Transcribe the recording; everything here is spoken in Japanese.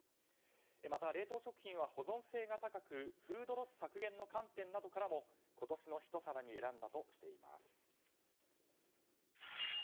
また冷凍食品は保存性が高くフードロス削減の観点などからも今年の一皿に選んだとしています。